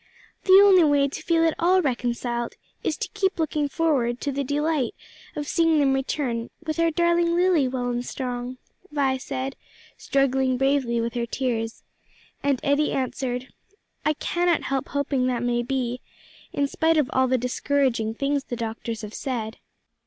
"The only way to feel at all reconciled, is to keep looking forward to the delight of seeing them return with our darling Lily well and strong," Vi said, struggling bravely with her tears; and Eddie answered, "I cannot help hoping that may be, in spite of all the discouraging things the doctors have said."